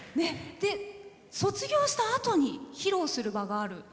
卒業したあとに披露する場がある？